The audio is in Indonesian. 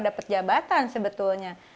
dapat jabatan sebetulnya